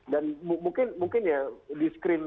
dan mungkin ya di screen